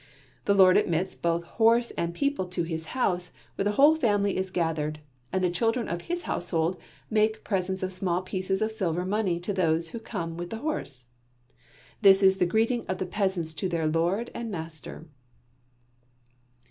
The lord admits both horse and people to his house, where the whole family is gathered, and the children of his household make presents of small pieces of silver money to those who come with the horse. This is the greeting of the peasants to their lord and master.